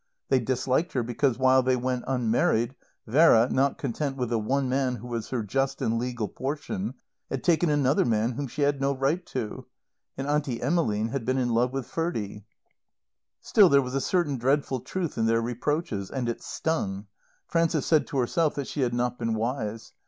They disliked her because, while they went unmarried, Vera, not content with the one man who was her just and legal portion, had taken another man whom she had no right to. And Auntie Emmeline had been in love with Ferdie. Still, there was a certain dreadful truth in their reproaches; and it stung. Frances said to herselv that she had not been wise.